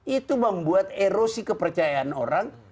itu membuat erosi kepercayaan orang